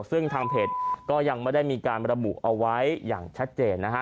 ซึ่งทางเพจก็ยังไม่ได้มีการระบุเอาไว้อย่างชัดเจนนะฮะ